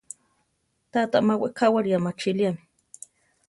Tata má wekáwari amachiliame.